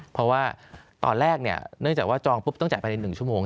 เพราะว่าตอนแรกเนื่องจากว่าจองปุ๊บต้องจ่ายภายใน๑ชั่วโมง